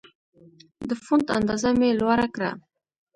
د فونټ اندازه مې لوړه کړه.